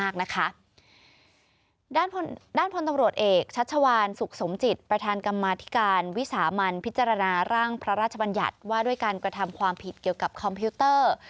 เกี่ยวกับคอมพิวเตอร์